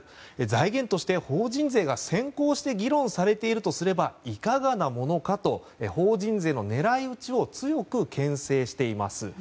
財源として法人税が先行して議論されているとすればいかがなものかと法人税の狙い撃ちを強く牽制しています。